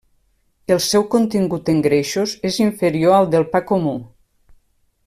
El seu contingut en greixos és inferior al del pa comú.